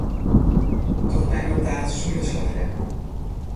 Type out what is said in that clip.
Doch my mar taart sûnder slachrjemme.